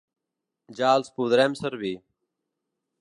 I ja els podrem servir.